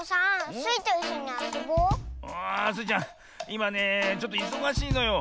いまねちょっといそがしいのよ。